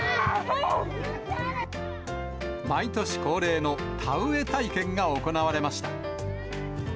毎年恒例の田植え体験が行われました。